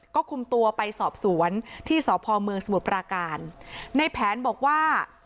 ก็คุมตัวไปสอบสวนที่สพเมืองสมุทรปราการในแผนบอกว่า